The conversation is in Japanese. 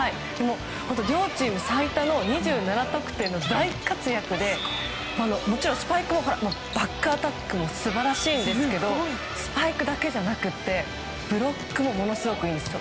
両チーム最多の２７得点の大活躍でもちろんバックアタックも素晴らしいんですけどスパイクだけじゃなくてブロックもものすごくいいんです。